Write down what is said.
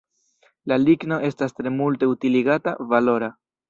La ligno estas tre multe utiligata, valora.